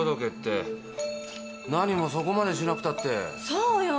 そうよ。